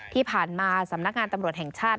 ที่ผ่านมาสำนักงานตำรวจแห่งชาติ